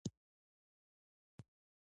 په افغانستان کې د انار منابع شته.